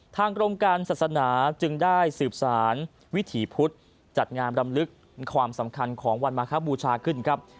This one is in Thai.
กรมการศาสนาจึงได้สืบสารวิถีพุทธจัดงานรำลึกความสำคัญของวันมาคบูชาขึ้นครับ